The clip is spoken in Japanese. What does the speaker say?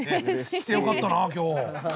来てよかったな今日！